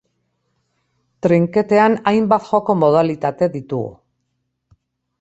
Trinketean hainbat joko modalitate ditugu.